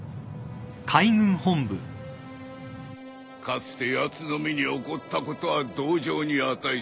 かつてやつの身に起こったことは同情に値する。